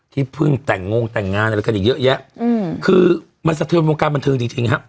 ที่เพิ่งแต่งงแต่งงานอะไรกันอีกเยอะแยะอืมคือมันสะเทือนวงการบันเทิงจริงจริงฮะ